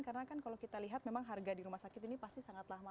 karena kalau kita lihat memang harga di rumah sakit ini pasti sangatlah mahal